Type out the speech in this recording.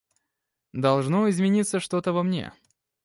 Должно измениться что-то во мне.